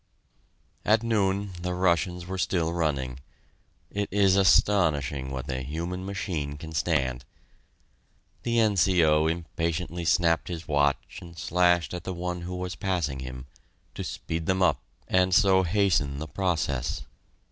At noon the Russians were still running it is astonishing what the human machine can stand! The N.C.O. impatiently snapped his watch and slashed at the one who was passing him, to speed them up, and so hasten the process.